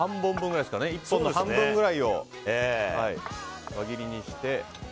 １本の半分くらいを輪切りにして。